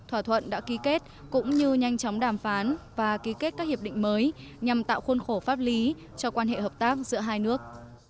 thỏa thuận đã ký kết cũng như nhanh chóng đàm phán và ký kết các hiệp định mới nhằm tạo khuôn khổ pháp lý cho quan hệ hợp tác giữa hai nước